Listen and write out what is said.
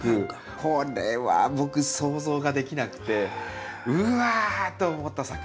これは僕想像ができなくてうわ！と思った作品ですね。